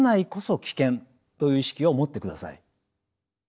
という意識を持ってください。